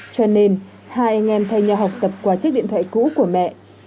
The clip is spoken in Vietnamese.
cho nên hai anh em thay nhau học tập qua chiếc điện thoại cũ của mẹ